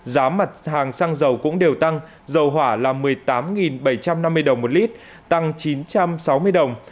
giá mặt hàng xăng dầu cũng đều tăng dầu hỏa là một mươi tám bảy trăm năm mươi đồng một lít tăng chín trăm sáu mươi đồng